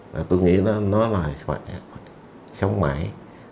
và tôi nghĩ nó là sống mãi